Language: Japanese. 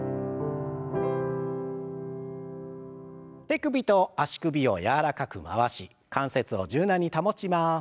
手首と足首を柔らかく回し関節を柔軟に保ちます。